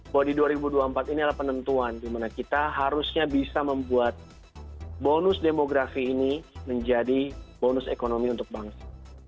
bahwa di dua ribu dua puluh empat ini adalah penentuan dimana kita harusnya bisa membuat bonus demografi ini menjadi bonus ekonomi untuk bangsa